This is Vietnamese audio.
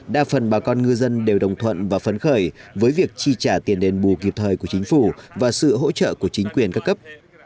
đa phần bà con ngư dân đều đồng thuận và phấn khởi với việc chi trả tiền đền bù kịp thời của chính phủ và sự hỗ trợ của chính quyền các cấp